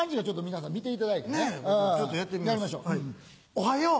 おはよう。